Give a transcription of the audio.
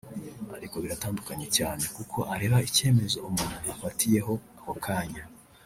ariko biratandukanye cyane kuko areba icyemezo umuntu afatiyeho ako kanya